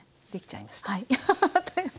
できちゃいました。